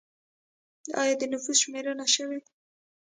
آیا د نفوس شمېرنه شوې؟